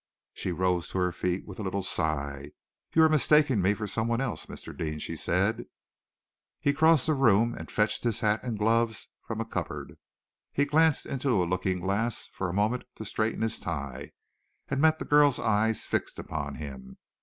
She rose to her feet with a little sigh. "You are mistaking me for someone else, Mr. Deane," she said. He crossed the room and fetched his hat and gloves from a cupboard. He glanced into a looking glass for a moment to straighten his tie, and met the girl's eyes fixed upon him.